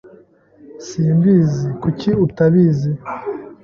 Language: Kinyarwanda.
S Simbizi. Kuki utabaza ?